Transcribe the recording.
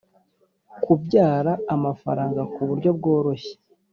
kubyara amafaranga ku buryo bworoshye